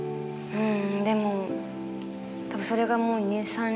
うん。